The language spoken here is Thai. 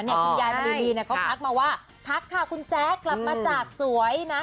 พี่ยายพลินีเขาพักมาว่าทักค่ะคุณแจ๊คกลับมาจากสวยนะ